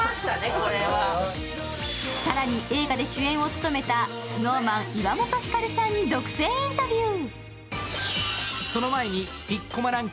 更に映画で主演を務めたＳｎｏｗＭａｎ・岩本照さんに独占インタビュー。